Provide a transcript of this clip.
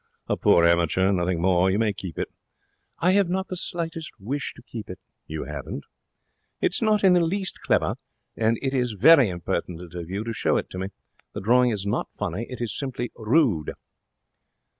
'A poor amateur. Nothing more. You may keep it.' 'I have not the slightest wish to keep it.' 'You haven't?' 'It is not in the least clever, and it is very impertinent of you to show it to me. The drawing is not funny. It is simply rude.'